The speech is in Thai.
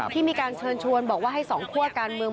ที่มีการเชิญชวนบอกว่าให้สองคั่วการเมือง